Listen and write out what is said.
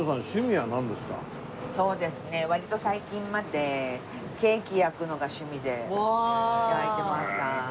そうですね割と最近までケーキ焼くのが趣味で焼いていました。